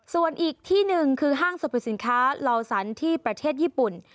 ส่วนอีกที่หนึ่งคือห้างสรรพสินค้าลอสันที่ประเทศญี่ปุ่น